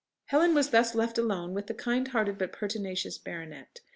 Helen was thus left alone with the kind hearted but pertinacious baronet.